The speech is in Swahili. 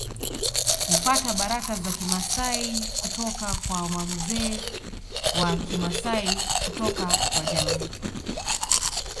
Hupata baraka za Kimasai kutoka kwa wamzee wa Kimasai kutoka kwa jamii